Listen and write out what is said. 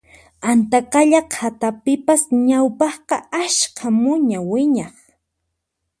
Antaqalla qhatapipas ñawpaqqa ashka muña wiñaq